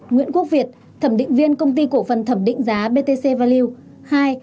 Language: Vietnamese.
nguyễn quốc việt thẩm định viên công ty cổ phần thẩm định giá btc value